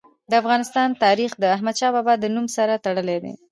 د افغانستان تاریخ د احمد شاه بابا د نوم سره تړلی دی.